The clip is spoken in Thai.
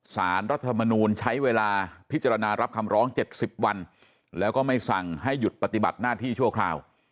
รัฐมนูลใช้เวลาพิจารณารับคำร้อง๗๐วันแล้วก็ไม่สั่งให้หยุดปฏิบัติหน้าที่ชั่วคราว